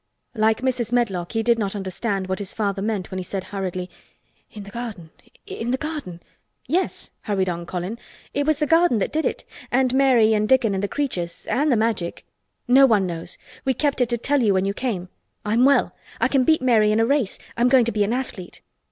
Like Mrs. Medlock, he did not understand what his father meant when he said hurriedly: "In the garden! In the garden!" "Yes," hurried on Colin. "It was the garden that did it—and Mary and Dickon and the creatures—and the Magic. No one knows. We kept it to tell you when you came. I'm well, I can beat Mary in a race. I'm going to be an athlete."